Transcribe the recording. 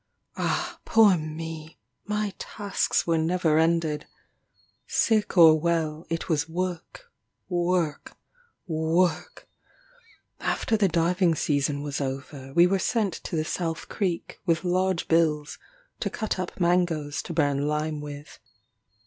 Ah, poor me! my tasks were never ended. Sick or well, it was work work work! After the diving season was over, we were sent to the South Creek, with large bills, to cut up mangoes to burn lime with.